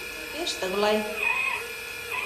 — Пеш тыглай.